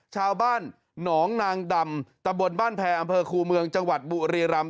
ชาวบ้านหนองนางดำตะบนบ้านแพรอำเภอคูเมืองจังหวัดบุรีรำ